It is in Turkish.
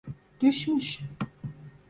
Düşmüş.